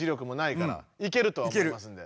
いけるとは思いますんで。